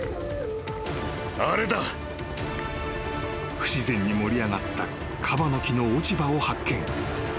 ［不自然に盛り上がったカバノキの落ち葉を発見］